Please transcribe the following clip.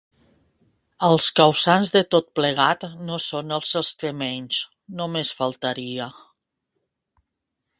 Els causants de tot plegat no són els extremenys, només faltaria!